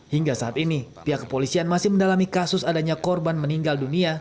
hingga saat ini pihak kepolisian masih mendalami kasus adanya korban meninggal dunia